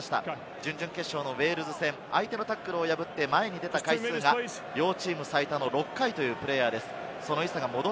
準々決勝のウェールズ戦、相手のタックルを破って前に出た回数が両チーム最多の６回というプレーヤーです。